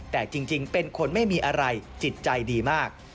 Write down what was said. แต่จริงเป็นคนไม่มีอะไรจิตใจดีมาก